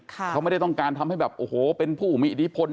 เขาไม่ได้ต้องการทำให้แบบโอ้โหเป็นผู้มีอิทธิพล